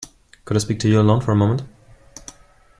Could I speak to you alone for a moment?